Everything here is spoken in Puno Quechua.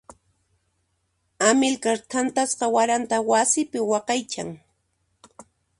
Amilcar thantasqa waranta wasipi waqaychan.